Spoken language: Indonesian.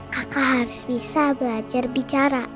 kakak harus bisa belajar bicara